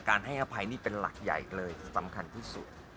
ให้อภัยนี่เป็นหลักใหญ่เลยสำคัญที่สุด